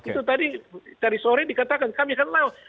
itu tadi sore dikatakan kami akan lawan